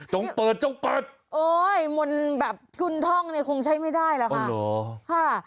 ตรงเปิดจ้องเปิดโอ้ยมนแบบทุนท่องเนี่ยคงใช้ไม่ได้แหลวกัน